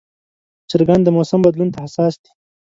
چرګان د موسم بدلون ته حساس دي.